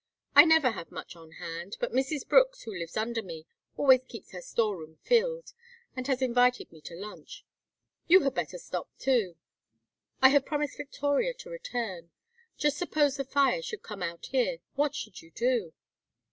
I never have much on hand, but Mrs. Brooks, who lives under me, always keeps her store room filled, and has invited me to lunch. You had better stop, too." "I have promised Victoria to return. Just suppose the fire should come out here, what should you do?"